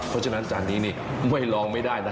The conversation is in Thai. เพราะฉะนั้นจานนี้นี่ไม่ลองไม่ได้นะ